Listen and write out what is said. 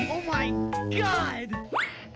โอ้ชะมัด